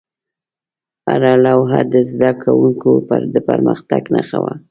هره لوحه د زده کوونکو د پرمختګ نښه وه.